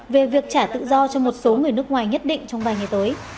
về việc trả tự do cho một số người nước ngoài nhất định trong vài ngày tới